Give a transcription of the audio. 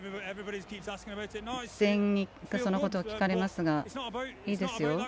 全員にそのことを聞かれますがいいですよ。